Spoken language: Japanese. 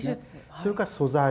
それから素材。